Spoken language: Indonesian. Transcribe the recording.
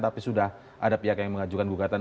tapi sudah ada pihak yang mengajukan gugatan